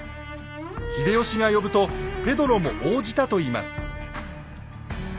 秀吉が呼ぶとペドロも応じたといいます。